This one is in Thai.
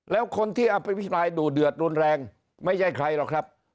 แล้วคนที่อภิปรายดูเดือดรุนแรงไม่ใช่ใครหรอกครับ